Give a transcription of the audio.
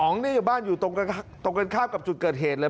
บ้านอยู่ตรงกันข้ามกับจุดเกิดเหตุเลย